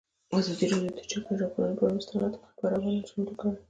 ازادي راډیو د د جګړې راپورونه پر اړه مستند خپرونه چمتو کړې.